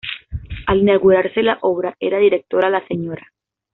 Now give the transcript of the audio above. Al inaugurarse la obra, era directora la Sra.